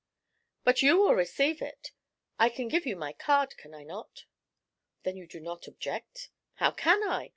'But you will receive it. I can give you my card, can I not?' 'Then you do not object?' 'How can I?